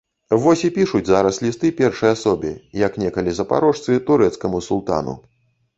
Вось і пішуць зараз лісты першай асобе, як некалі запарожцы турэцкаму султану.